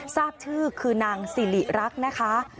ทราบชื่อคือนางสิริรักษ์นะคะ